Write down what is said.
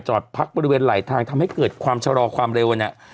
พักบริเวณไหลทางทำให้เกิดความชะลอความเร็วเนี่ย